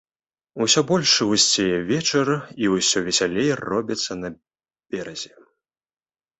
Усё больш гусцее вечар, і ўсё весялей робіцца на беразе.